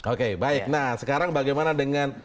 oke baik nah sekarang bagaimana dengan